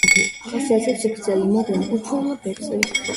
ახასიათებს გრძელი, მაგრამ უჩვეულო ბეწვის ფორმა.